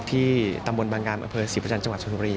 ที่ตำบลบางการบริเวณสิพจันทร์จังหวัดสวนธุรี